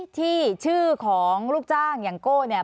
ที่ชื่อของลูกจ้างอย่างโก้เนี่ย